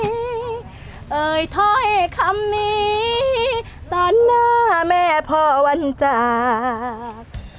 เฮ้ยท่อให้คำนี้ตอนหน้าแม่พ่อวรรณจาก